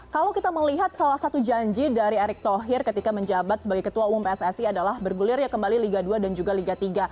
kalau kita melihat salah satu janji dari erick thohir ketika menjabat sebagai ketua umum pssi adalah bergulir ya kembali liga dua dan juga liga tiga